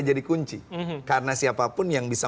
kunci karena siapapun yang bisa